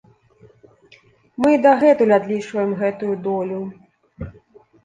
Мы і дагэтуль адлічваем гэтую долю.